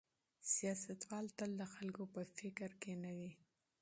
سیاستوال تل د خلکو په فکر کې نه وي.